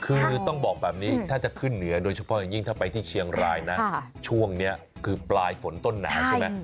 คือต้องบอกแบบนี้ถ้าจะขึ้นเหนือโดยเฉพาะอย่างยิ่งถ้าไปที่เชียงรายนะช่วงนี้คือปลายฝนต้นหนาวใช่ไหม